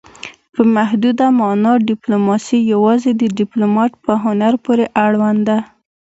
په محدوده مانا ډیپلوماسي یوازې د ډیپلومات په هنر پورې اړوند ده